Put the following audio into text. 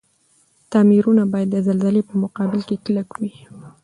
تعميرونه باید د زلزلي په مقابل کي کلک وی.